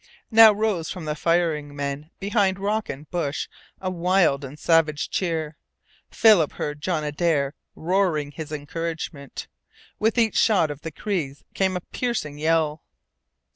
Now rose from the firing men behind rock and bush a wild and savage cheer. Philip heard John Adare roaring his encouragement. With each shot of the Crees came a piercing yell.